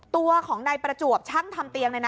ตัวของนายประจวบช่างทำเตียง